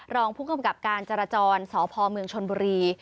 รองผู้กำกับการจราจรสพเมืองชนบุรี